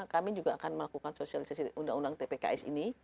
kami juga akan melakukan sosialisasi undang undang tpks ini